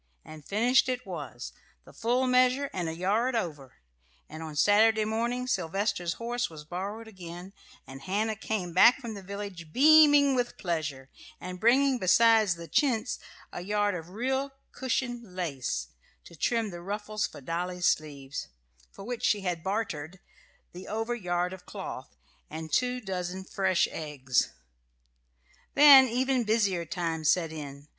And finished it was the full measure and a yard over; and on Saturday morning Sylvester's horse was borrowed again, and Hannah came back from the village beaming with pleasure, and bringing besides the chintz a yard of real cushion lace, to trim the ruffles for Dolly's sleeves, for which she had bartered the over yard of cloth and two dozen fresh eggs. Then even busier times set in.